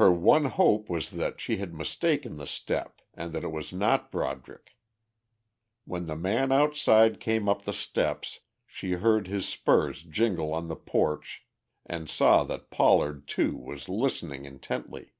Her one hope was that she had mistaken the step and that it was not Broderick. When the man outside came up the steps, she heard his spurs jingle on the porch and saw that Pollard too was listening intently.